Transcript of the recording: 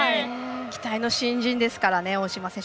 期待の新人です、大島選手。